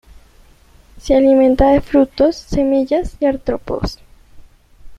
Se alimenta de frutos, semillas y artrópodos.